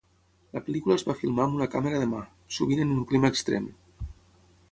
La pel·lícula es va filmar amb una càmera de ma, sovint en un clima extrem.